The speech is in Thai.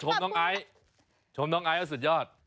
ชมน้องไอซ์ชมน้องไอซ์แล้วสุดยอด